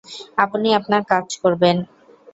আপনি আপনার কাজ করবেন।